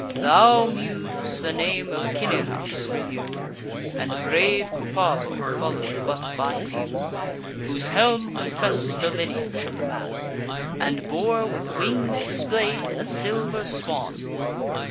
Thou, Muse, the name of Cinyras renew, And brave Cupavo follow'd but by few; Whose helm confess'd the lineage of the man, And bore, with wings display'd, a silver swan.